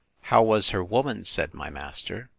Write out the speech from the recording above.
How was her woman? said my master.